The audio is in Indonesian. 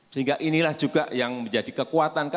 sehingga inilah juga yang menjadi kekuatan kami